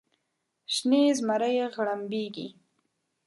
شنې زمرۍ غړمبیږې